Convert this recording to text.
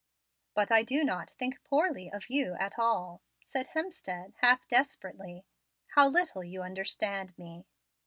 "But I do not think poorly of you, at all," said Hemstead, half desperately. "How little you understand me!"